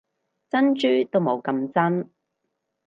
珍珠都冇咁真